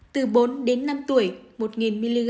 từ bốn đến năm tuổi một nghìn mg